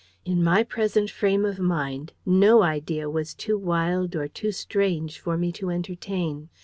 In my present frame of mind, no idea was too wild or too strange for me to entertain.